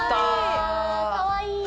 かわいい！